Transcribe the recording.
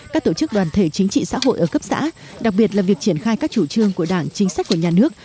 các tổ chức đoàn thể chính trị xã hội ở cấp xã đặc biệt là việc triển khai các chủ trương của đảng chính sách của nhà nước